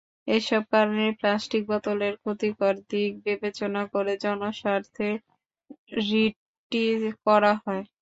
এসব কারণে প্লাস্টিক বোতলের ক্ষতিকর দিক বিবেচনা করে জনস্বার্থে রিটটি করা হয়।